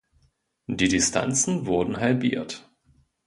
Die Distanzen wurden halbiert.